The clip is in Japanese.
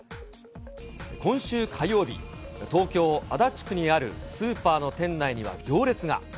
今週火曜日、東京・足立区にあるスーパーの店内には行列が。